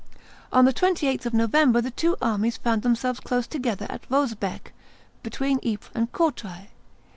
On the 28th of November the two armies found themselves close together at Rosebecque, between Ypres and Courtrai.